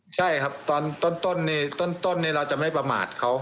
ใช่ครับตอนต้นต้นนี่ต้นต้นนี่เราจะไม่ประมาทเขา